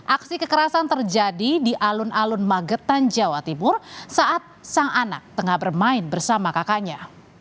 aksi kekerasan terjadi di alun alun magetan jawa timur saat sang anak tengah bermain bersama kakaknya